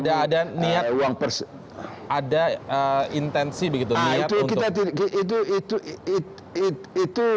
maksudnya apa itu ada niat ada intensi begitu